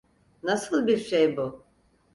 Nasıl bir şey bu?